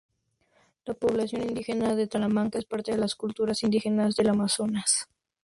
La población indígena de Talamanca es parte de las culturas indígenas del Amazonas.